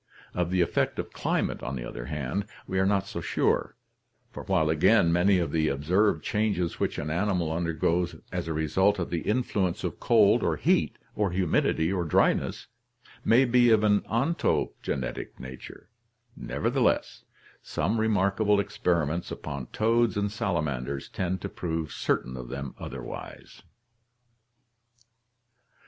Of the effect of climate, on the other hand, we are not so sure, for while again many of the observed changes which an animal under goes as a result of the influence of cold or heat or humidity or dryness may be of an ontogenetic nature, nevertheless, some re markable experiments upon toads and salamanders tend to prove certain of them otherwise.